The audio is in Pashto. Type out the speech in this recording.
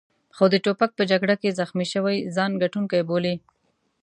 خو د توپک په جګړه کې زخمي شوي ځان ګټونکی بولي.